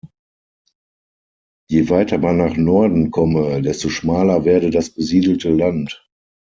Je weiter man nach Norden komme, desto schmaler werde das besiedelte Land.